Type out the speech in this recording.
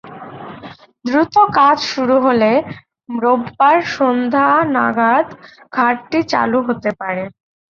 দ্রুত কাজ শুরু হলে রোববার সন্ধ্যা নাগাদ ঘাটটি চালু হতে পারে।